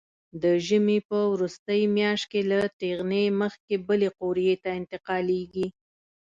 د ژمي په وروستۍ میاشت کې له ټېغنې مخکې بلې قوریې ته انتقالېږي.